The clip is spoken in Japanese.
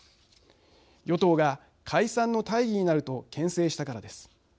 与党が、解散の大義になるとけん制したからです。